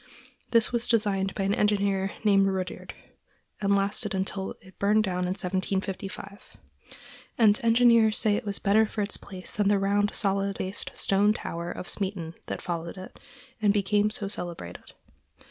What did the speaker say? This was designed by an engineer named Rudyerd, and lasted until burned down in 1755; and engineers say it was better for its place than was the round, solid based stone tower of Smeaton that followed it, and became so celebrated.